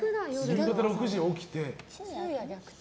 夕方６時に起きて。